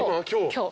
今日。